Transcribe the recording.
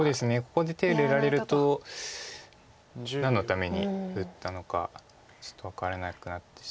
ここで手入れられると何のために打ったのかちょっと分からなくなってしまうので。